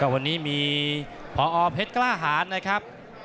ไพ่ลนะครับ